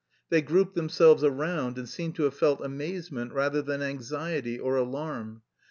They grouped themselves around and seemed to have felt amazement rather than anxiety or alarm.